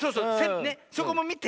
そこもみて。